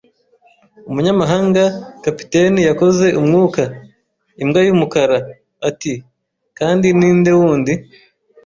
umunyamahanga. Kapiteni yakoze umwuka. “Imbwa y'umukara!” ati. “Kandi ni nde wundi?”